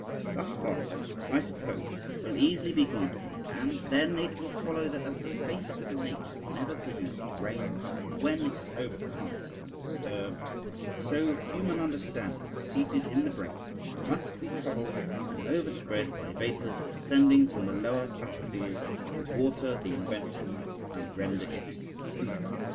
Thus far, I suppose, will easily be granted me; and then it will follow that as the face of Nature never produces rain but when it is overcast and disturbed, so human understanding seated in the brain must be troubled and overspread by vapours ascending from the lower faculties to water the invention and render it fruitful.